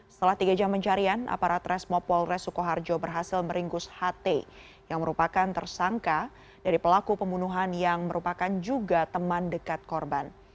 setelah tiga jam pencarian aparat resmo polres sukoharjo berhasil meringkus ht yang merupakan tersangka dari pelaku pembunuhan yang merupakan juga teman dekat korban